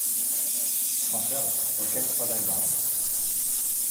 Fansels, wat kin ik foar dy dwaan?